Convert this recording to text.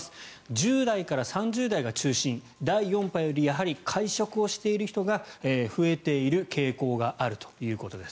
１０代から３０代が中心第４波よりやはり会食をしている人が増えている傾向があるということです。